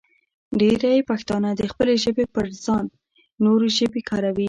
ډېری پښتانه د خپلې ژبې پر ځای نورې ژبې کاروي.